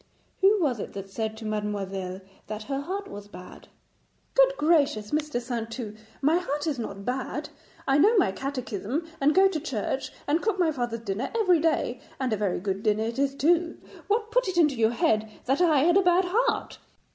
'Who was it that said to mademoiselle that her heart was bad?' 'Good gracious, Mr. Saintou, my heart is not bad. I know my catechism and go to church, and cook my father's dinner every day, and a very good dinner it is too. What put it into your head that I had a bad heart?'